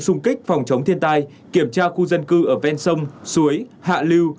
xung kích phòng chống thiên tai kiểm tra khu dân cư ở ven sông suối hạ lưu